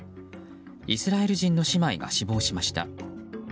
イスラエル人の姉妹が死亡しました。